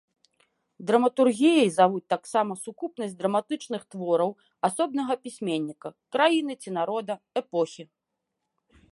Драматургіяй завуць таксама сукупнасць драматычных твораў асобнага пісьменніка, краіны ці народа, эпохі.